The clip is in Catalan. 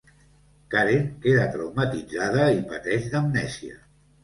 Karen queda traumatitzada i pateix d'amnèsia.